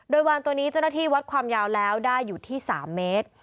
โดยวานตัวนี้เจ้าหน้าที่วัดความยาวแล้วได้อยู่ที่๓เมตร